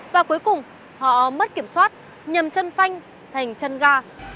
và cuối cùng họ mất kiểm soát nhầm chân phanh thành chân ga